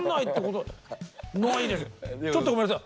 ちょっとごめんなさい。